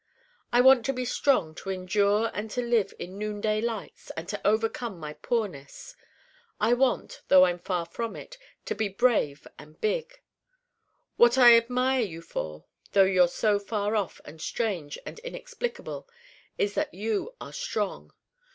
I want to be strong to endure and to live in noonday lights and to overcome my poorness. I want, though I'm far from it, to be brave and big. What I admire you for, though you're so far off and strange and inexplicable, is that you are strong.